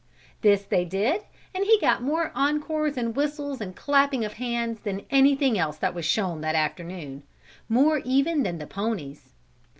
This they did and he got more encores and whistles and clapping of hands than anything else that was shown that afternoon, more even than the ponies.